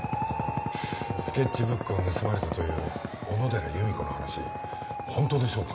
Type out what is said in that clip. スケッチブックを盗まれたという小野寺由美子の話本当でしょうか？